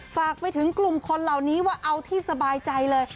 ฝากไปถึงกลุ่มคนเหล่านี้ว่าเอาที่สบายใจเลย